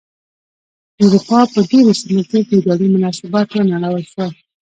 د اروپا په ډېرو سیمو کې فیوډالي مناسبات ونړول شول.